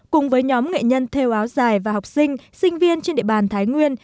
cùng với nhóm nghệ nhân theo áo dài và học sinh sinh viên trên địa bàn thái nguyên